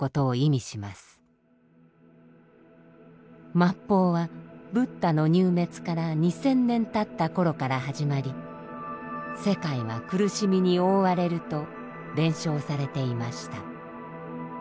末法はブッダの入滅から２，０００年たった頃から始まり世界は苦しみに覆われると伝承されていました。